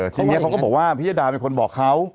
ทีนี้เขาก็บอกว่าพิยดาเป็นคนบอกเขา